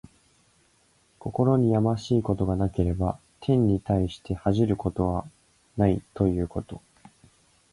心にやましいことがなければ、天に対して恥じることはないということ。